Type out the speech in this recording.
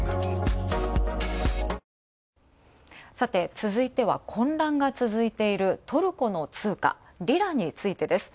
続いては、混乱が続いているトルコの通貨、リラについてです。